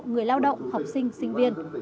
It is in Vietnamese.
người lao động học sinh sinh viên